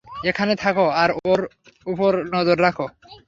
এখানে থাকো আর ওর উপর নজর রাখো।